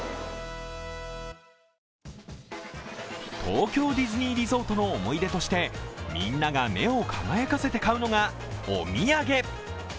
東京ディズニーリゾートの思い出としてみんなが目を輝かせて買うのがお土産。